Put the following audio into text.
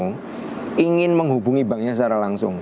yang ingin menghubungi banknya secara langsung